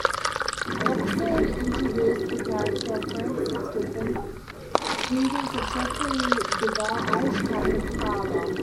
The episode introduced the character, Francis Griffin, Peter's obsessively devout Irish Catholic father.